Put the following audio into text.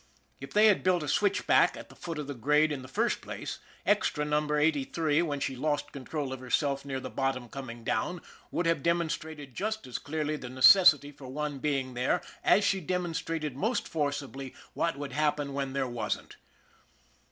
If they had built a switchback at the foot of the grade in the first place, Extra Number Eighty three, when she lost control of herself near the bottom coming down, would have demonstrated just as clearly the necessity for one being there as she demonstrated most forcibly what would happen when there wasn't.